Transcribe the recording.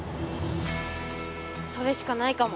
それしかないかも。